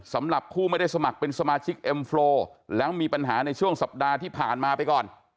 สำหรับผู้ไม่ได้สมัครเป็นสมาชิกเอ็มโฟร์แล้วมีปัญหาในช่วงสัปดาห์ที่ผ่านมาไปก่อน